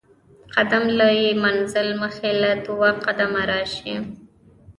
قدم له ئې منزل مخي له دوه قدمه راشي